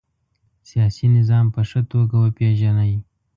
سیاسي نظام په ښه توګه وپيژنئ.